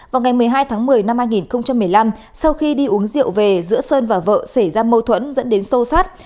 vào ngày một mươi hai tháng một mươi năm hai nghìn một mươi năm sau khi đi uống rượu về giữa sơn và vợ xảy ra mâu thuẫn dẫn đến sâu sát